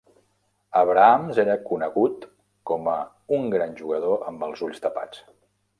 Abrahams era conegut com a un gran jugador amb els ulls tapats.